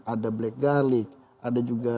ada black garlic ada juga